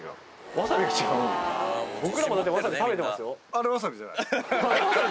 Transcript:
わさびじゃない？